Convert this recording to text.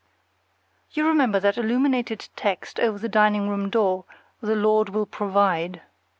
You remember that illuminated text over the dining room door "The Lord Will Provide."